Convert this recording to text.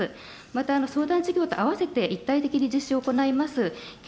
また、相談事業とあわせて一体的に実施を行います